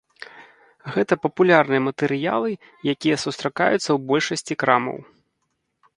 Гэта папулярныя матэрыялы, якія сустракаюцца ў большасці крамаў.